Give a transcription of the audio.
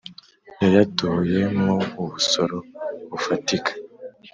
yayatoye mwo ubusoro bufatika